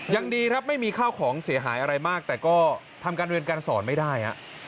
ยังดีครับไม่มีข้าวของเสียหายอะไรมากแต่ก็ทำการเรียนการสอนไม่ได้